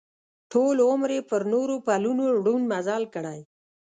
ټول عمر یې پر نورو پلونو ړوند مزل کړی.